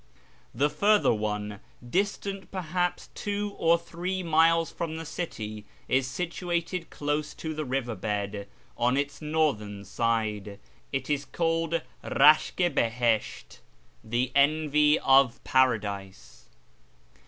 The further one, distant perhaps two or three miles from the city, is situated close to the river bed, on its northern side. It is called Bashk i Bihislit (" the Envy of Paradise").